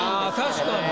確かに。